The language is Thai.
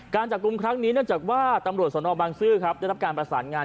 การจับกลุ่มครั้งนี้เนื่องจากว่าตำรวจสนบางซื่อครับได้รับการประสานงาน